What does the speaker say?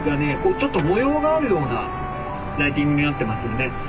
ちょっと模様があるようなライティングになってますよね。